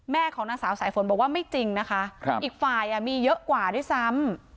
ของนางสาวสายฝนบอกว่าไม่จริงนะคะอีกฝ่ายมีเยอะกว่าด้วยซ้ำ